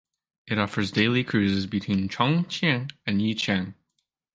It offers daily cruises between Chongqing and Yichang.